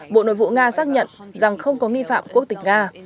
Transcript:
bộ nội vụ nga xác nhận rằng không có nghi phạm quốc tịch nga